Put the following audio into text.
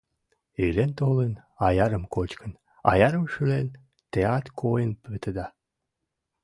Илен-толын, аярым кочкын, аярым шӱлен, теат койын пытеда.